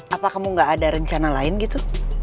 apa kamu gak ada rencana lain gitu